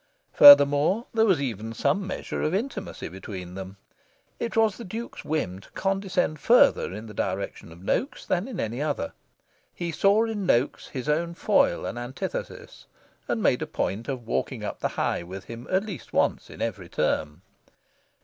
Furthermore, there was even some measure of intimacy between them. It was the Duke's whim to condescend further in the direction of Noaks than in any other. He saw in Noaks his own foil and antithesis, and made a point of walking up the High with him at least once in every term.